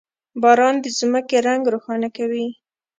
• باران د ځمکې رنګ روښانه کوي.